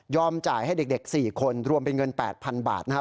จ่ายให้เด็ก๔คนรวมเป็นเงิน๘๐๐๐บาทนะครับ